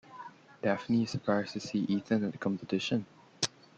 Daphne is surprised to see Ethan at the competition.